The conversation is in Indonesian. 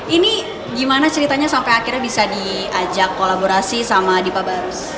ini gimana ceritanya sampai akhirnya bisa diajak kolaborasi sama dipa barus